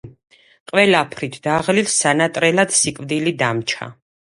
ყველაფრით დაღლილს სანატრელად სიკვდილი დამჩა